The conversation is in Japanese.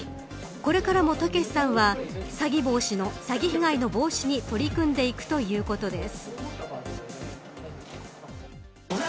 これからも剛さんは詐欺被害の防止に取り組んでいくということです。